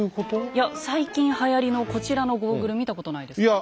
いや最近はやりのこちらのゴーグル見たことないですか？